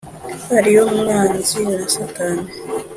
ari yo Mwanzi na Satani,